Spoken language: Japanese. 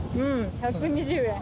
１２０円。